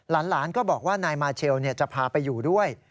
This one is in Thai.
หลานก็บอกว่านายมาเชลจะพาไปอยู่ด้วย